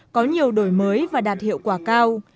có nhiều đổi mới và đạt hiệu quả cao